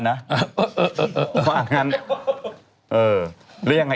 อ๋อเธอเป็นคนจริงใจ